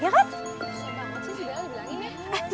bisa banget sih sudah lo bilangin ya